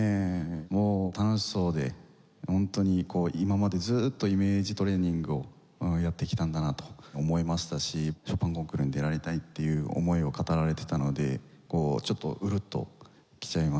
もう楽しそうでホントに今までずーっとイメージトレーニングをやってきたんだなと思いましたしショパンコンクールに出られたいっていう思いを語られてたのでちょっとうるっときちゃいましたね。